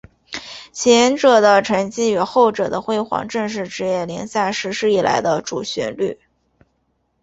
前者的沉寂与后者的辉煌正是职业联赛实施以来的主旋律。